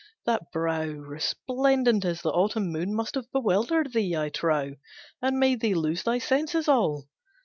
That brow Resplendent as the autumn moon Must have bewildered thee, I trow, And made thee lose thy senses all."